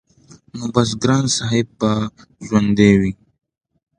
نو بس ګران صاحب به ژوندی وي-